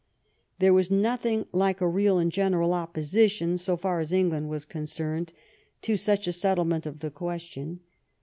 There was nothing like a real and general opposition, so far as England was concerned, to such a settlement of the question.